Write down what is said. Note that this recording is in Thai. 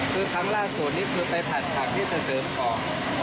คือครั้งล่าสุดนี้คือไปผัดผักที่จะเสริมออก